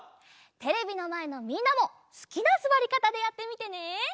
テレビのまえのみんなもすきなすわりかたでやってみてね！